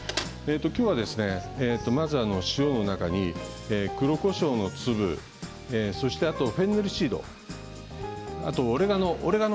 今日はまず、塩の中に黒こしょうの粒あとは、フェンネルシードオレガノ。